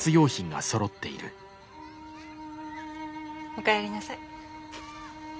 おかえりなさい。